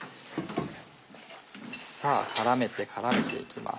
さぁ絡めて絡めて行きます。